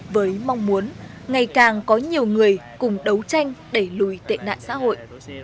với mong muốn ngày càng có nhiều người cùng đấu tranh đẩy lùi tệ nạn xã hội